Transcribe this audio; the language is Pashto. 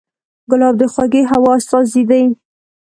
ګلاب د خوږې هوا استازی دی.